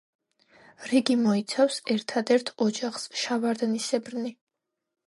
რიგი მოიცავს ერთადერთ ოჯახს: შავარდნისებრნი.